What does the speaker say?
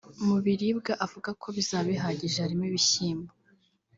Mu biribwa avuga ko bizaba bihagije harimo ibishyimbo